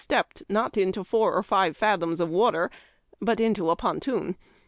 stepped — not into four or five fathoms of water, but — a ponton.